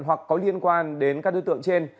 hoặc có liên quan đến các đối tượng trên